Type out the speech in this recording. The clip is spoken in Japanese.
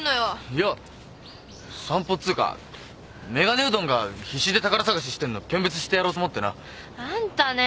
いや散歩っつうかメガネうどんが必死で宝探ししてんの見物してやろうと思ってな。あんたね。